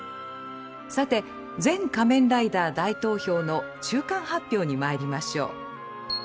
さて「全仮面ライダー大投票」の中間発表にまいりましょう。